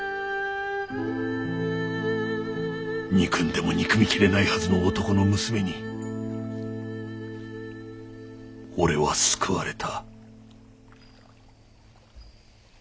憎んでも憎みきれないはずの男の娘に俺は救われた。